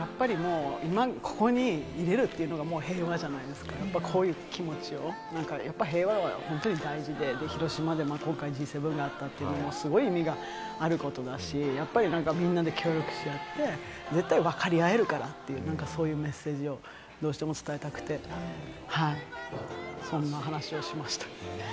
ここにいれるっていうのが平和じゃないですか、こういう気持ちを平和は本当に大事で、広島で今回Ｇ７があったというのも、すごい意味があることだし、みんなで協力し合って、絶対分かり合えるからというそういうメッセージをどうしても伝えたくて、そんな話をしました。